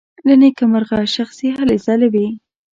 له نېکه مرغه شخصي هلې ځلې وې.